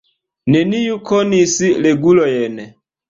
Neniu konis regulojn.